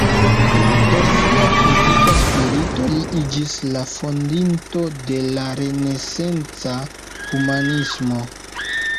Per sia kritika spirito, li iĝis la fondinto de la renesanca humanismo.